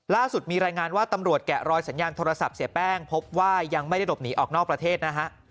ล่าสุดมีรายงานว่าตำรวจแกะรอยสัญญาณโทรศัพท์เสียแป้งพบว่ายังไม่ได้หลบหนีออกนอกประเทศนะฮะ